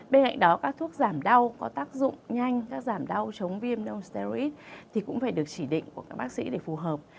bên cạnh đó các thuốc giảm đau có tác dụng nhanh các giảm đau chống viêmdo ster thì cũng phải được chỉ định của các bác sĩ để phù hợp